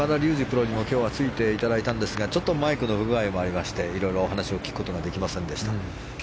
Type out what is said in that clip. プロにも今日はついていただいたんですがちょっとマイクの不具合もあっていろいろお話を聞くことができませんでした。